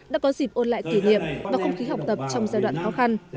đã có dịp ôn lại kỷ niệm và không khí học tập trong giai đoạn khó khăn